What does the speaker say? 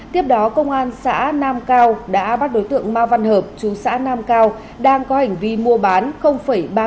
tiếp đó công an xã nam cao đã bắt đối tượng ma văn hợp chú xã nam cao đang có hành vi mua bán ba mươi một g heroin